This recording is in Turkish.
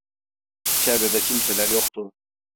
Çevrede kimseler yoktu.